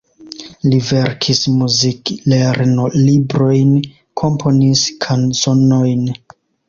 Li verkis muzik-lernolibrojn, komponis kanzonojn.